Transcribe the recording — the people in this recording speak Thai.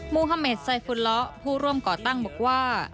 ูฮาเมดไซฟุล้อผู้ร่วมก่อตั้งบอกว่า